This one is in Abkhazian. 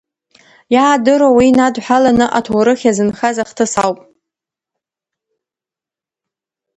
Иаадыруа, уи инадҳәаланы аҭоурых иазынхаз ахҭыс ауп.